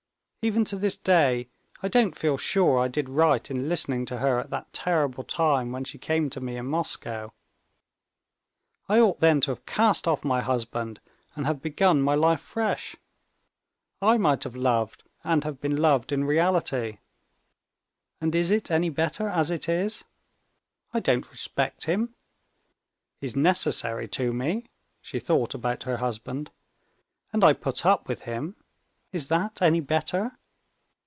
Even to this day I don't feel sure I did right in listening to her at that terrible time when she came to me in Moscow. I ought then to have cast off my husband and have begun my life fresh. I might have loved and have been loved in reality. And is it any better as it is? I don't respect him. He's necessary to me," she thought about her husband, "and I put up with him. Is that any better?